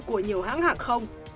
của nhiều hãng hàng không